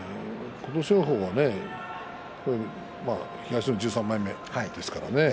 琴勝峰は東の１３枚目ですからね。